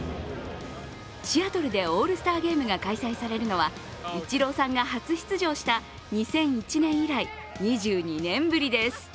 シアトルでオールスターゲームが開催されるのはイチローさんが初出場した２００１年以来、２２年ぶりです。